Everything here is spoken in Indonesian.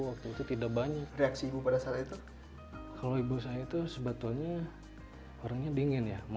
waktu itu tidak banyak reaksi ibu pada saat itu kalau ibu saya itu sebetulnya orangnya dingin ya mau